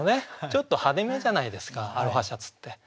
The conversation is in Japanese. ちょっと派手めじゃないですかアロハシャツって。